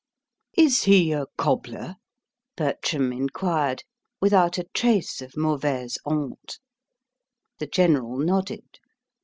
"Is he a cobbler?" Bertram inquired, without a trace of mauvaise honte. The General nodded.